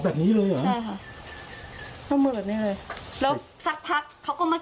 แบบนี้เลยเหรอใช่ค่ะแล้วมือแบบนี้เลยแล้วสักพักเขาก็มา